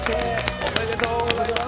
おめでとうございます。